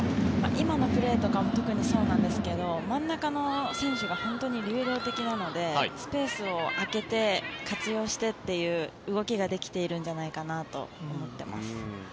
今のプレーとかも特にそうなんですけど真ん中の選手が本当に流動的なのでスペースを空けて活用してという動きができているんじゃないかなと思っています。